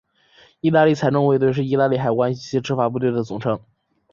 意大利财政卫队是意大利海关及其执法部队的总称。